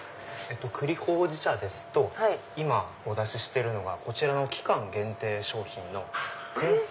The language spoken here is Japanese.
栗焙じ茶ですと今お出ししてるのがこちらの期間限定商品の燻製